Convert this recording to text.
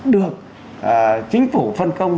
được chính phủ phân công